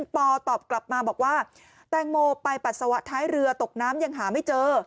ปอตอบกลับมาบอกว่าแตงโมไปปัสสาวะท้ายเรือตกน้ำยังหาไม่เจอ